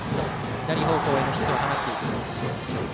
左方向へのヒットを放っています。